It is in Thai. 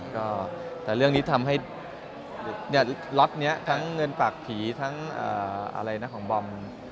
ก็แต่เรื่องนี้ทำให้ล็อตนี้ทั้งเงินปากผีทั้งอะไรนะของบอม